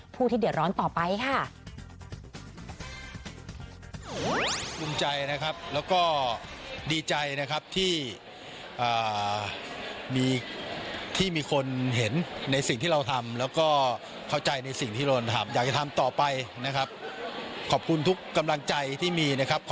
ผู้ที่เดือดร้อนต่อไปค่ะ